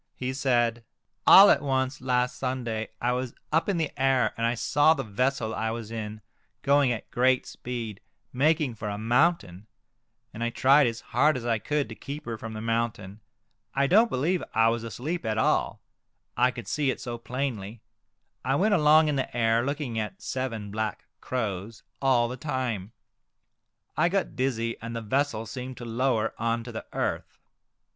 He said, " All at once last Sunday I was up in the air, and I saw the vessel I was in going at great speed, making for a mountain, and I tried as hard as I could to keep her from the mountain. I don't believe I was asleep at all, I could see it so plainly. I went along in the air, looking at seven black crows all the Crows. 29 time. I got dizzy, and the vessel seemed to lower on to the earth.